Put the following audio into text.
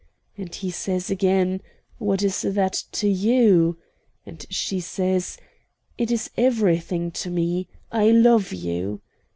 And he says again, 'What is that to you?' And she says: 'It is everything to me. I love you.'